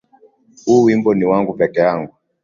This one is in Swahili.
Huu wimbo ni wangu peke yangu